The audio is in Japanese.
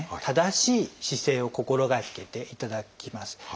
正しい姿勢を心がけていただきます。